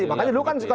makanya dulu kan